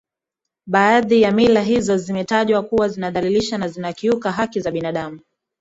Baadhi ya mila hizo zimetajwa kuwa zinadhalilishi na zinakiuka haki za binadamu